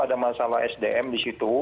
ada masalah sdm di situ